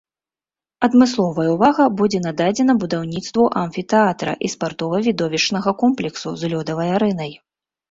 Адмысловая ўвага будзе нададзена будаўніцтву амфітэатра і спартова-відовішчнага комплексу з лёдавай арэнай.